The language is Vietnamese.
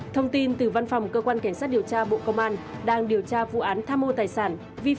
thông tin từ văn phòng cơ quan cảnh sát điều tra bộ công an đang điều tra vụ án tham ô tài sản